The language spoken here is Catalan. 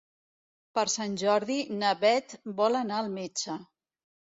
Per Sant Jordi na Beth vol anar al metge.